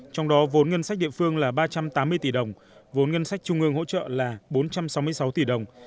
trong đó vốn ngân sách địa phương là ba trăm tám mươi tỷ đồng vốn ngân sách trung ương hỗ trợ là bốn trăm sáu mươi sáu tỷ đồng